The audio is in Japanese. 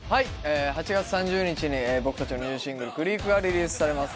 ８月３０日に僕たちのニューシングル『ＣＲＥＡＫ』がリリースされます。